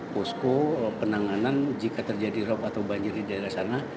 posko penanganan jika terjadi rob atau banjir di daerah sana